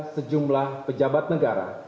sejumlah pejabat negara